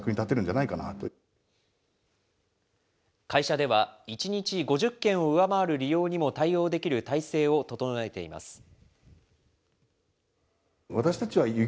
会社では、１日５０件を上回る利用にも対応できる態勢を整えています。